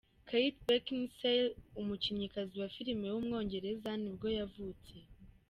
Kate Beckinsale, umukinnyikazi wa filime w’umwongereza nibwo yavutse.